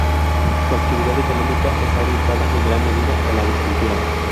Su actividad económica está orientada en gran medida a la agricultura.